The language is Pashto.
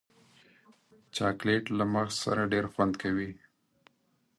چاکلېټ له مغز سره ډېر خوند کوي.